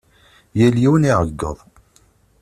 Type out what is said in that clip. Yal yiwen iɛeggeḍ.